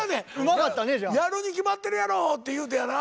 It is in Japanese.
せやねん「やるに決まってるやろ」って言うてやな。